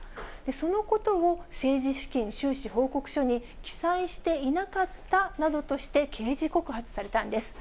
そのことを政治資金収支報告書に記載していなかったなどとして、刑事告発されたんです。